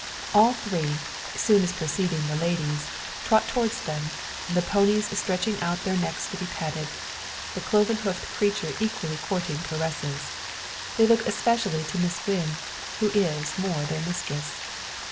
All three, soon as perceiving the ladies, trot towards them; the ponies stretching out their necks to be patted; the cloven hoofed creature equally courting caresses. They look especially to Miss Wynn, who is more their mistress.